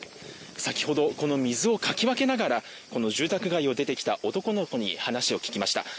先ほどこの水をかき分けながら住宅街を出てきた男の子に話を聞きました。